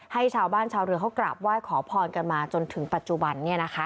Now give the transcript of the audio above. ให้ชาวบ้านชาวเรือเขากราบไหว้ขอพรกันมาจนถึงปัจจุบัน